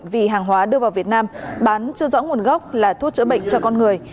vì hàng hóa đưa vào việt nam bán chưa rõ nguồn gốc là thuốc chữa bệnh cho con người